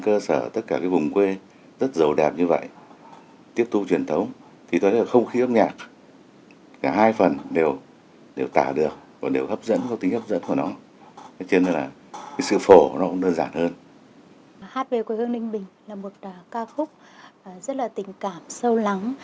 hát quê hương ninh bình là một ca khúc rất là tình cảm sâu lắng